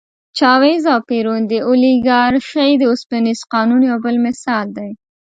چاوېز او پېرون د اولیګارشۍ د اوسپنيز قانون یو بل مثال دی.